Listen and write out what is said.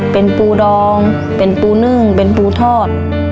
เป็นปูดองเป็นปูนึ่งเป็นปูทอด